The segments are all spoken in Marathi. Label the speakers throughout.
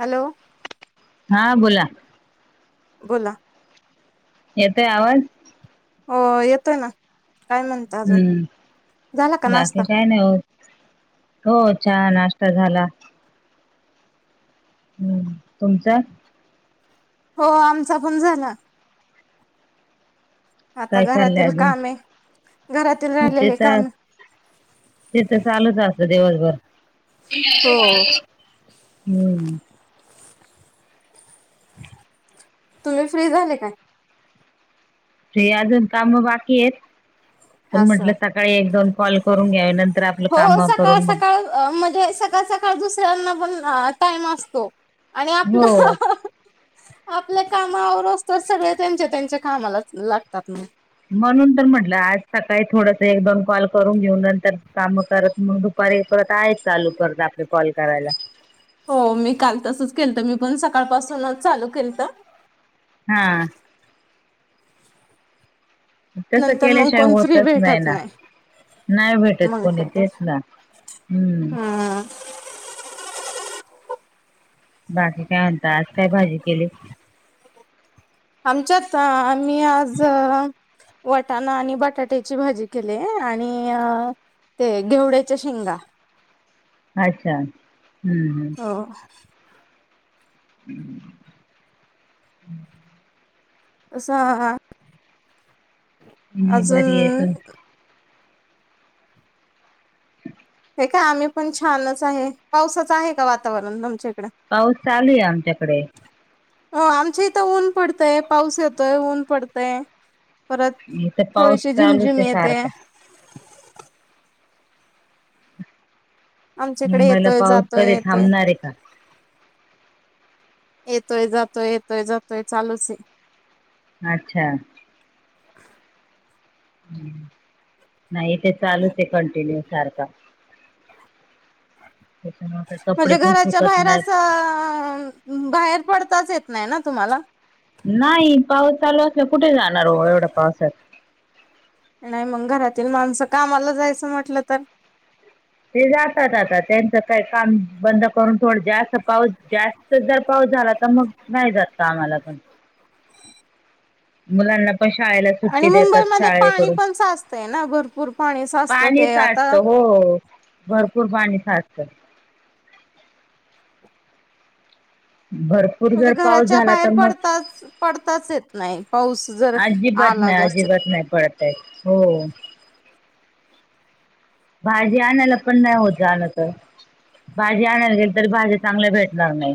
Speaker 1: हॅलो.
Speaker 2: हां बोला.
Speaker 1: बोला.
Speaker 2: येतोय आवाज?
Speaker 1: हो येतोय ना, काय म्हण
Speaker 2: हम्म, बाकी काय ना होत हो चहा नाश्ता झाला. हम्म, तुमचा?
Speaker 1: हो आमचापण झाला. आता
Speaker 2: काय चाललंय
Speaker 1: घरातील
Speaker 2: अजून,
Speaker 1: कामे घरातील
Speaker 2: हो ते
Speaker 1: राहिलेले
Speaker 2: त आज
Speaker 1: कामे
Speaker 2: ते तर चालूच असत दिवसभर
Speaker 1: हो
Speaker 2: हम्म.
Speaker 1: तुम्ही फ्री झाले काय?
Speaker 2: फ्री अजून काम बाकी येत. पण
Speaker 1: असं
Speaker 2: म्हंटलं सकाळी एक दोन कॉल करून घ्यावे नंतर आपलं
Speaker 1: हो
Speaker 2: काम
Speaker 1: सकाळ
Speaker 2: करून मग
Speaker 1: सकाळ अ म्हणजे सकाळ सकाळ दुसऱ्यांनापण टाइम असतो आणि आपला
Speaker 2: हो
Speaker 1: आपले काम आवरोस्तोवर सगळे त्यांच्या त्यांच्या कामालाच लागतात मग
Speaker 2: म्हणून तर म्हटलं आज सकाळी थोडस एक दोन कॉल करून घेऊन नंतर काम करत मग दु परे परत आहेस चालू परत आपले कॉल करायला.
Speaker 1: हो मी काल तसच केलत मी पण सकाळपासूनच चालू केलत
Speaker 2: हा. तसं
Speaker 1: नंतर मग
Speaker 2: केल्याशिवाय
Speaker 1: कोण फ्री
Speaker 2: होतच नाही
Speaker 1: भेटत
Speaker 2: ना नाय भेटत
Speaker 1: मग
Speaker 2: कोणी
Speaker 1: काय तर
Speaker 2: तेच ना, हम्म. बाकी काय म्हणता, आज काय भाजी केली?
Speaker 1: आमच्यात अ आम्ही आज वटाणा आणि बटाट्याची भाजी केले आणि अ ते घेवड्याच्या शेंगा
Speaker 2: अच्छा, हम्म हम्म.
Speaker 1: [unintelligible]
Speaker 2: [inaudible]
Speaker 1: असा आआ
Speaker 2: मी
Speaker 1: अजून
Speaker 2: बरी ये तु?
Speaker 1: हे काय आम्ही पण छानच आहे, पावसाच आहे का वातावरण तुमच्या इकड?
Speaker 2: पाऊस चालूये आमच्याकडे
Speaker 1: हो आमच्या इथं ऊन पडतंय, पाऊस येतोय ऊन पडतय. परत
Speaker 2: इथं पाऊस
Speaker 1: थोडीशी
Speaker 2: चालूच
Speaker 1: झिमझिम
Speaker 2: आहे
Speaker 1: येते.
Speaker 2: सारखा
Speaker 1: आमच्याकडे
Speaker 2: मुंबईला
Speaker 1: येतोय
Speaker 2: पाऊस
Speaker 1: जातोय
Speaker 2: कधी
Speaker 1: येतोय
Speaker 2: थांबणार आहे का.
Speaker 1: येतोय जातोय येतोय जातोय चालूच ये.
Speaker 2: अच्छा. नाही इथे चालूच आहे कंटिन्यू सारखा त्याच्यामुळे काय कपडे
Speaker 1: म्हणजे
Speaker 2: पण
Speaker 1: घराच्या
Speaker 2: सुकत
Speaker 1: बाहेर असं
Speaker 2: नाहीत
Speaker 1: अअअअ बाहेर पडताच येत नाही ना तुम्हाला?
Speaker 2: नाही पाऊस चालू असला कुठे जाणार हो एवढ्या पावसात.
Speaker 1: नाही मंग घरातील माणसं कामाला जायचं म्हटलं तर
Speaker 2: ते जातात आता त्यांचं काय काम बंद करून थोड जास्त पाऊस जास्त जर पाऊस झाला तर मग नाही जात कामाला पण मुलांना पण शाळाळेला
Speaker 1: आणि
Speaker 2: सुट्टी देतात
Speaker 1: मुंबईमध्ये पाणी
Speaker 2: शाळेकडून
Speaker 1: पण साचतंय ना भरपूर पाणी साचतं
Speaker 2: पाणी
Speaker 1: ते
Speaker 2: साटत
Speaker 1: आता
Speaker 2: हो भरपूर पाणी साठत. बरं
Speaker 1: म्हणजे घराच्या बाहेर पडताच पडताच येत नाही पाऊस जर
Speaker 2: अजिबात
Speaker 1: आला
Speaker 2: नाही
Speaker 1: जास्त.
Speaker 2: अजिबात नाही पडतय हो. भाजी आणायला पण नाही होत झालं तर. भाजी आणायला गेल तरी भाजी चांगल्या भेटणार नाही.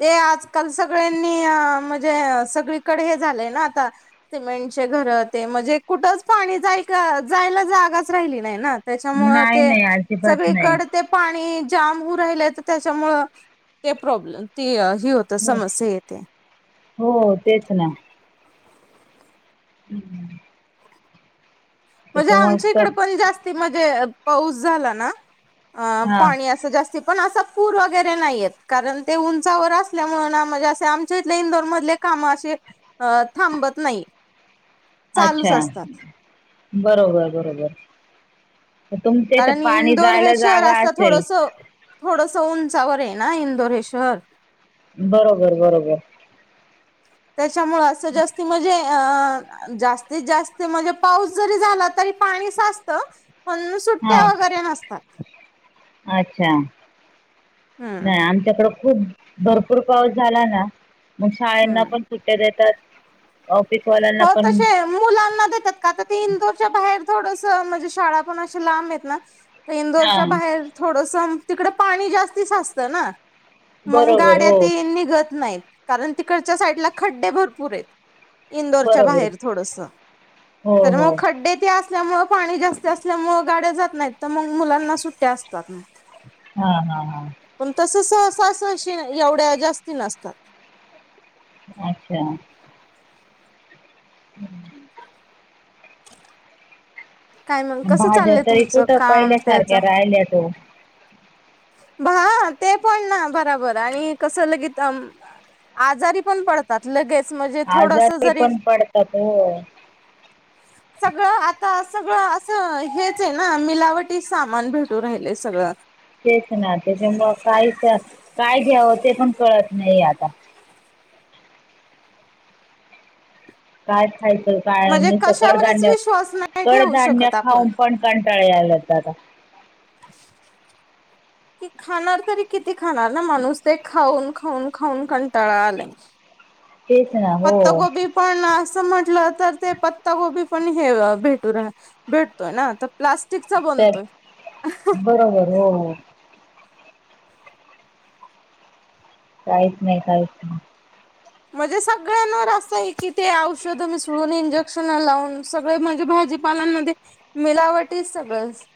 Speaker 1: ते आजकाल सगळ्यांनी आ म्हणजे सगळीकडे हे झालंय ना आता सिमेंटचे घर ते म्हणजे कुठंच पाणी जाय का जायला जागाच राहिली नाही ना. त्याच्यामुळं
Speaker 2: नाही
Speaker 1: ते
Speaker 2: नाही अजिबात नाही
Speaker 1: सगळीकडं ते पाणी जाम होऊ राहिलं तर त्याच्यामुळं ते प्रॉब्लेम ती ही हो तर समस्या येते.
Speaker 2: हो तेच ना. हम्म हम्म.
Speaker 1: म्हणजे आमच्या
Speaker 2: तर
Speaker 1: इकडे पण जास्ती म्हणजे पाऊस झाला ना अ
Speaker 2: हां
Speaker 1: पाणी असं जास्ती पण असा पूर वगैरे नाहीे येत कारण ते उंचावर असल्यामुळे ना म्हजे असे आमच्या इथले इंदोर मधले कामं अशी अ थांबत नाही. चालूच
Speaker 2: अच्छा
Speaker 1: असतात.
Speaker 2: बरोबर बरोबर तर तुमच्या इथ
Speaker 1: कारण
Speaker 2: पाणी
Speaker 1: इंदोर
Speaker 2: जायला जागा असेल.
Speaker 1: थोडसा उंचावर आहे ना इंदोर हे शहर.
Speaker 2: बरोबर बरोबर.
Speaker 1: त्याच्यामुळे असं जास्ती म्हणजे ए अम जास्तीत जास्ती म्हणजे पाऊस जरी झाला तरी पाणी साजतं पण सुट्टया
Speaker 2: हां
Speaker 1: वगैरे नसतात.
Speaker 2: अच्छा
Speaker 1: हम्म
Speaker 2: नाही आम च्याकडे खूप भरपूर पाऊस झाला ना मग शाळेंना
Speaker 1: हम्म
Speaker 2: पण सुट्टया देतात. ऑफिसवाल्यांना
Speaker 1: हो
Speaker 2: पण
Speaker 1: तशे मुलांना देतात का तर ते इंदोरच्या बाहेर थोडसा म्हणजे शाळा पण अशी लांब आहेत ना इंदोरच्या
Speaker 2: हां
Speaker 1: बाहेर थोडंसं तिकडं पाणी जास्ती साचतं ना. मग
Speaker 2: बरोबर
Speaker 1: गाड्या
Speaker 2: हो
Speaker 1: तीन निघत नाहीत कारण तिकडच्या साईडला खड्डे भरपूर आहेत इंदोरच्या
Speaker 2: बरोबर
Speaker 1: बाहेर थोडसा
Speaker 2: हो
Speaker 1: तर मग
Speaker 2: हो
Speaker 1: खड्डे ते असल्यामुळे पाणी जास्त असल्यामुळे गाड्या जात नाहीत तर मग मुलांना सुट्टया असतात म.
Speaker 2: हा हा हा.
Speaker 1: पण तसं सहसा सहशे एवढ्या जास्ती नसतात.
Speaker 2: अच्छा. [unintelligible]
Speaker 1: काय मग कसं
Speaker 2: भाज्या
Speaker 1: चाललंय
Speaker 2: तरी
Speaker 1: तुमचं
Speaker 2: कुठं
Speaker 1: काम
Speaker 2: पहिल्यासारख्या
Speaker 1: त्याचं
Speaker 2: राहिलेत ओ.
Speaker 1: भा हा ते पण ना बराबर आणि कसं लगित अम आ आजारी पण पड तात लगेच म्हणजे थोडस
Speaker 2: आजारी
Speaker 1: जरी
Speaker 2: पण पडतात हो.
Speaker 1: सगळं आता सगळं असं हेच आहे ना मिलावटी सामान भेटू राहिलय सगळं.
Speaker 2: तेच ना त्याच्यामुळं काही तर काही द्यावं ते पण कळत नाहीये आता. काय खायचं काय
Speaker 1: म्हणजे
Speaker 2: नुसतं
Speaker 1: कशावरच
Speaker 2: कडधान्य
Speaker 1: विश्वास नाही ठेवू
Speaker 2: कडधान्य
Speaker 1: शकत
Speaker 2: खाऊन
Speaker 1: आपण
Speaker 2: पण कंटाळा यायलत आता.
Speaker 1: कि खाणार तरी किती खाणार ना माणूस ते खाऊन खाऊन खाऊन कंटाळा आलाय.
Speaker 2: तेच ना. हो
Speaker 1: पत्तागोबी पण असं म्हटलं तर ते पत्तागोबी पण हे अ.. भेटू राहाल.. भेटतोय ना, आता प्लास्टिकचा
Speaker 2: तर
Speaker 1: बनतोय. अहह
Speaker 2: बरोबर हो. काहीच नाही काहीच नाही.
Speaker 1: म्हणजे सगळ्यांवर असं आहे की ते औषध मिसळून, इंजेक्शन लावून, सगळे म्हणजे भाजी पालांमध्ये मिलावटीच सगळंच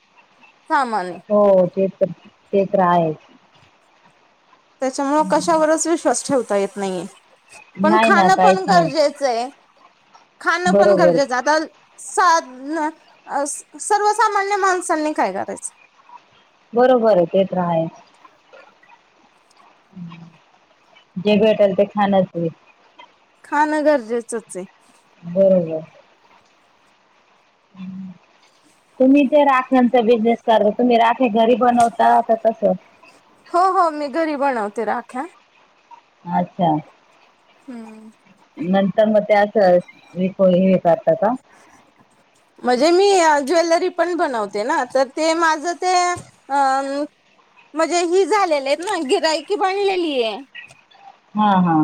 Speaker 1: सामानये.
Speaker 2: हो हो ते तर, ते तर आहेच.
Speaker 1: त्याच्यामुळ कशावरच विश्वास ठेवता येत नाहीये. पन
Speaker 2: नाही ना
Speaker 1: खाणं पण
Speaker 2: काहीच नाही
Speaker 1: गरजेचं ये, खानं पन
Speaker 2: बरोबर
Speaker 1: गरजेचं आता साध न अ.. सर्वसामान्य माणसांनी काय करायचं?
Speaker 2: बरोबर ते तर हाये. जे भेटल ते खाण्याच
Speaker 1: खाणं गरजेचंच ऐ.
Speaker 2: बरोबर. हम्म. तुम्ही ते राख्यांचा बिझनेस कर, तुम्ही राख्या घरी बनवता का कस?
Speaker 1: हो हो मी घरी बणवते राख्या.
Speaker 2: अच्छा. नंतर मग त्या आसं विकून हे करता का?
Speaker 1: मजे मी अ.. ज्वेलरी पण बनवते ना तर ते माझं ते अ मजे ही झालेली हेत ना गिर्‍हाईक बणलेली ये.
Speaker 2: हा हा.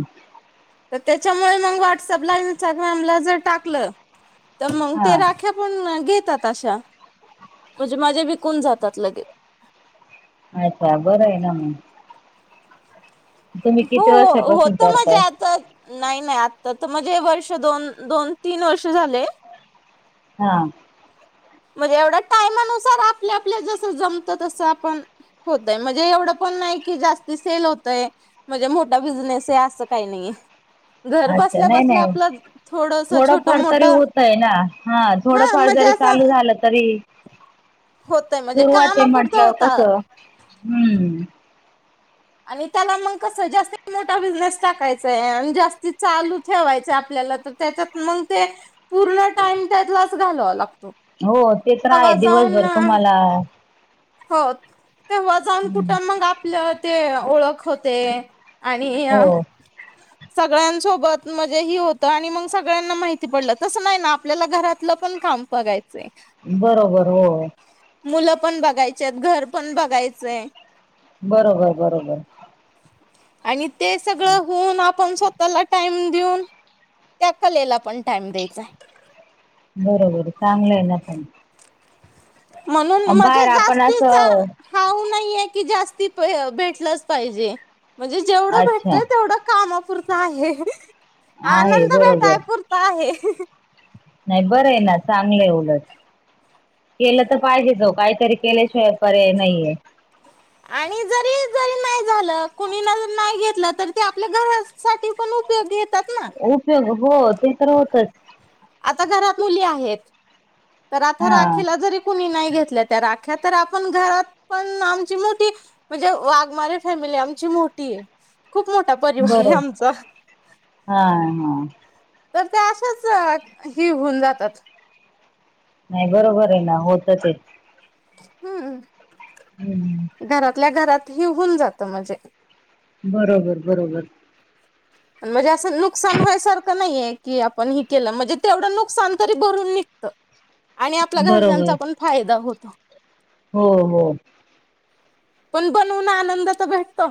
Speaker 1: त त्याच्यामुळे मंग व्हॉट्सअपला, इंस्टाग्राम ला जर टाकलं त मंग
Speaker 2: हा
Speaker 1: ते राख्या पण न घेतात अशा, म्हजे माझ्या विकून जातात लगे.
Speaker 2: अच्छा, बरं आहे ना म. तुम्ही
Speaker 1: हो
Speaker 2: किती
Speaker 1: हो
Speaker 2: वर्षापासून
Speaker 1: होत म्हणजे
Speaker 2: करताय?
Speaker 1: आता नाही नाही आत्ता त म्हणजे वर्ष दोन, दोन- तीन वर्ष झाले......
Speaker 2: हा.
Speaker 1: मग एवढा टायमानुसार आपल्या, आपल्या जसं जमतं तस आपण...... होतय म्हणजे एवढं पण नाही की जास्ती सेल होतय.... म्हजे मोठा बिझनेसये आसं काही नाही ये. घर
Speaker 2: अच्छा
Speaker 1: बसल्या -
Speaker 2: नाही
Speaker 1: बसल्या
Speaker 2: नाही
Speaker 1: आपलं थोडस छोट
Speaker 2: थोडंफार
Speaker 1: मोट
Speaker 2: तरी होतय ना हा थोडंफार जरी चालू झालं तरी......
Speaker 1: होतय म्हणजे
Speaker 2: सुरुवात ये
Speaker 1: कामापुरतं
Speaker 2: म्हंटल्या व
Speaker 1: होत
Speaker 2: कसं हम्म
Speaker 1: आणि त्याला मंग कसं जास्त मोठा बिझनेस टाकायचाय आणि जास्ती चालू ठेवायचं आपल्याला त..... त्याच्यात मग ते पूर्ण टाइम त्यातलाच घालाव लागतो
Speaker 2: हो ते तर आहे.,
Speaker 1: तवा
Speaker 2: दिवसभर
Speaker 1: जाऊन
Speaker 2: तुमाला....... आ......
Speaker 1: हो तेवा जान कुठं मंग आपल ते, ओळख होते. आणि अ....
Speaker 2: हो
Speaker 1: सगळ्यांसोबत म्हणजे ही होतं आणि मग सगळ्यांना माहिती पडलं तसं नाही ना आपल्याला घरात.... लपन खांम बघायचे..
Speaker 2: बरोबर हो.
Speaker 1: मुलं पण बघायचे हेत, घर पण बघायचंय
Speaker 2: बरोबर बरोबर.
Speaker 1: आणि ते सगळं होऊन आपण स् त्याला टाइम देऊन, त्या कलेला पण टाइम द्यायचं आहे.
Speaker 2: बरं बरं, चांगलं आहे ना पण
Speaker 1: म्हणून
Speaker 2: बाहेर
Speaker 1: मजं
Speaker 2: आपण
Speaker 1: जास्तीचा
Speaker 2: असं
Speaker 1: हाव नाहीे आहे की, जास्ती भेटलंच पाहिजे. म्हणजे जेवढं
Speaker 2: अच्छा
Speaker 1: भेटतोय तेवढं कामापुरता आहे.
Speaker 2: आहे
Speaker 1: आनंद भेटाय
Speaker 2: बरोबर
Speaker 1: पुरता आहे.
Speaker 2: चांगलंय उलट. केलं त पाहिजे ओ काहीतरी केल्याशिवाय पर्याय नाहीे आहे.
Speaker 1: आणि जरी जरी नाही झालं. कुणी ना नाही घेतलं तरी ते आपल्या गवस साठी पण उपयोगी येतात ना,
Speaker 2: उपयोग हो, ते तर होतच.
Speaker 1: आता घरात मुली आहेत. तर आता
Speaker 2: हा
Speaker 1: राखीला जरी कुणी नाही घेतल्या त्या राख्या तर, आपण घरात पण आमची मोठी म्हणजे वाघमारे फॅमिली आमची मोठी हे. खूप मोठा परिवार आहे
Speaker 2: बरोबर
Speaker 1: आमचा.
Speaker 2: हा हा,
Speaker 1: तर त्या अशाच हे होऊन जातात.
Speaker 2: नाही बरोबर हे ना, होतं ते
Speaker 1: हम्म,
Speaker 2: हम्म,
Speaker 1: घरातल्या घरात हि होऊन जातं. म्हणजे
Speaker 2: बरोबर बरोबर
Speaker 1: म्हणजे असं नुकसान व्हायसारखं नाहीये. कि आपण हि केलं. म्हणजे तेवढं नुकसान तरी भरून निघतं. आणि आपल्या
Speaker 2: बरोबर
Speaker 1: घरच्यांचा पण फायदा होतो.
Speaker 2: हो हो.
Speaker 1: पण बनवून आनंद त भेटतो.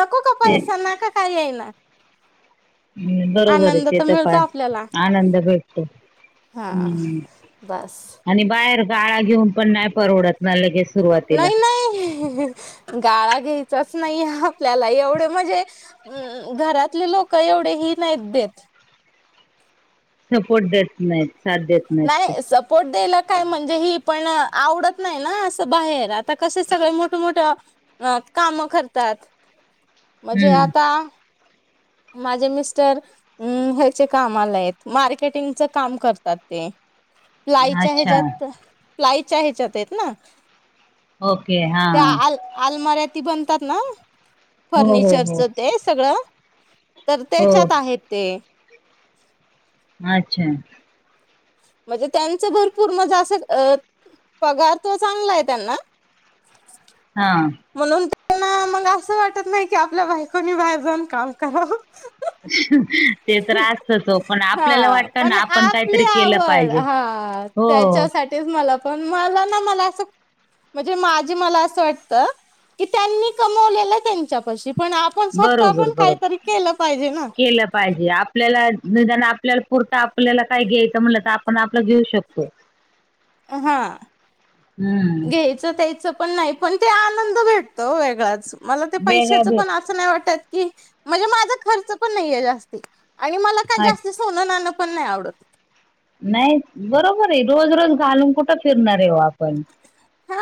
Speaker 1: नको का
Speaker 2: ते
Speaker 1: पैसा नका काही आहे ना,
Speaker 2: हम, बरोबर आहे
Speaker 1: आनंद
Speaker 2: ते
Speaker 1: तर
Speaker 2: त
Speaker 1: मिळतो
Speaker 2: पाय,
Speaker 1: आपल्याला
Speaker 2: आनंद भेटतो.
Speaker 1: हा
Speaker 2: हम्म,
Speaker 1: बस
Speaker 2: आणि बाहेर गाळा घेऊन पण नाही परवडत. मा लगेस सुरवातीला
Speaker 1: [unintelligible] गाळा घ्यायचाच नाही आपल्याला एवढं म्हणजे हम, घरातले लोक एवढे ही नाही देत.
Speaker 2: सपोर्ट देत नाहीत. साथ देत नाहीत ते
Speaker 1: नाही सप पोर्ट द्यायला काय म्हणजे ही पण आवडत नाही ना, असं बाहेर. आता कसे सगळे मोठं मोठं अ, काम करतात. म्हणजे
Speaker 2: हम्म
Speaker 1: आता माझे मिस्टर हम्म, ह्याचे कामाला आहेत. मार्केटिंगच काम करतात ते. प्लाईच्या
Speaker 2: अच्छा
Speaker 1: ह्याच्यात, प्लाईच्या ह्याच्यात आहेत ना,
Speaker 2: ओके हा
Speaker 1: त्या आल आलमाऱ्या ती बनतात ना,
Speaker 2: हो हो हो
Speaker 1: फर्निचरचं ते सगळं तर
Speaker 2: हो
Speaker 1: त्याच्यात आहेत ते.
Speaker 2: अच्छा.
Speaker 1: म्हणजे त्यांचं भरपूर म्हणजे असं पगार तो चांगला आहे त्यांना.
Speaker 2: हा,
Speaker 1: म्हणून त्यांना मग असं वाटत नाही की, आपल्या बायकोनी बाहेर जाऊन काम करावं.
Speaker 2: ते तर असतंच ओ, पण आपल्याला वाटतं ना आपण काहीतरी केलं पाहिजे.
Speaker 1: प हा
Speaker 2: हो
Speaker 1: त्यांच्यासाठीच मला पण मला ना मला असं म्हणजे माझे मला असं वाटत की त्यांनी कमवलेलं त्यांच्यापाशी पण आ- आपण स्वतः
Speaker 2: बरोबर
Speaker 1: पण
Speaker 2: बरोबर
Speaker 1: काहीतरी केलं पाहिजे ना.
Speaker 2: केलं पाहिजे आपल्याला निदान आपल्याला पुरंत आपल्याला काय घ्यायचं म्हटलं तर आपण आपलं घेऊ शकतो.
Speaker 1: हा हा
Speaker 2: हम्म
Speaker 1: त्याचं पण नाही पण ते आनंद भेटत ओ वेगलाच मला ते
Speaker 2: वेगळ्या
Speaker 1: पैशाच
Speaker 2: भे
Speaker 1: पण, असं नाही वाटत की म्हणजे माझ खर्च पण नाहीये जास्ती आणि मला- काय
Speaker 2: अच्छा!
Speaker 1: जास्ती सोनं नाण पण नाही आवडतं ‌.
Speaker 2: नाही बरोबर आहे. रोज रोज घालून कुठं फिरणार आहे हो आपण
Speaker 1: हा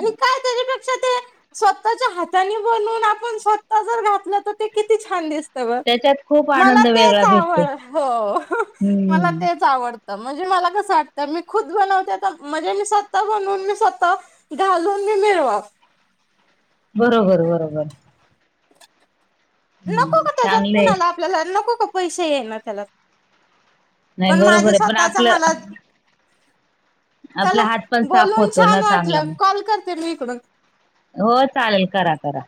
Speaker 1: मी काय त्यांच्यापेक्षा ते स्वतःच्या हाताने बनवून आपण स्वतः जर घातलं तर ते किती छान दिसत.
Speaker 2: त्यांच्यात खूप आनंद वेगळा भेटतो हम्म.
Speaker 1: आवडत म्हणजे मला कसं वाटत मी खुद बनवते तर म्हणजे मी स्वतः बनवून मी स्वतः घालून मी मिरवाव.
Speaker 2: बरोबर बरोबर
Speaker 1: नको
Speaker 2: हम्म
Speaker 1: का त्यांच्यात
Speaker 2: चांगलंय
Speaker 1: कुणाला आपल्याला नको का पैसे ये ना त्याला.
Speaker 2: नाही
Speaker 1: पण
Speaker 2: बरोबर
Speaker 1: माझे
Speaker 2: आहे पण
Speaker 1: स्वतःचा
Speaker 2: आपलं
Speaker 1: मला, चला
Speaker 2: आपला हात पण साफ
Speaker 1: बोलून
Speaker 2: होतो ना
Speaker 1: छान
Speaker 2: चांगला
Speaker 1: वाटलं
Speaker 2: मग
Speaker 1: कॉल करते मी इकडून-
Speaker 2: हो चालेल करा करा.